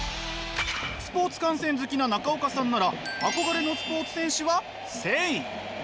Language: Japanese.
スポーツ観戦好きな中岡さんなら憧れのスポーツ選手は聖。